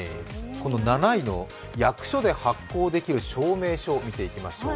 ７位の役所で発行できる「証明書」見ていきましょう。